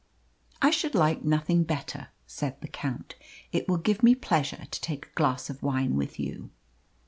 "I should like nothing better," said the Count. "It will give me pleasure to take a glass of wine with you."